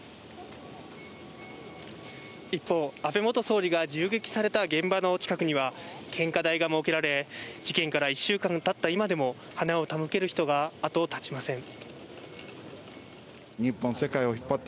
一方、安倍元総理が銃撃された現場の近くには献花台が設けられ、事件から１週間が経った今でも花を手向ける人が後を絶ちません。